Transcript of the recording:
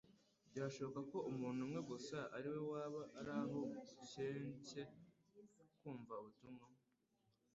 Byashoboka ko umuntu umwe gusa ari we waba ari aho ukencye kumva ubutumwa;